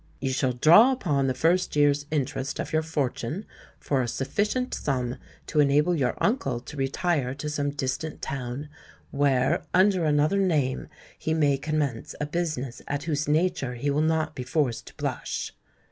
"You shall draw upon the first year's interest of your fortune, for a sufficient sum to enable your uncle to retire to some distant town, where, under another name, he may commence a business at whose nature he will not be forced to blush."